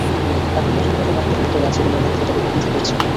এখন পর্যন্ত এটা প্রাথমিক পর্যায়ে আছে বলে অনেকে সেটা বলতে দ্বিধা করছেন।